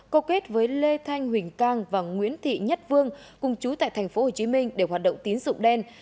câu kết với lê thanh huỳnh cang và nguyễn thị nhất vương cùng chú tại tp hcm để hoạt động tín dụng đen